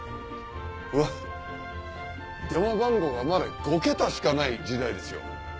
うわっ電話番号がまだ５桁しかない時代ですよ。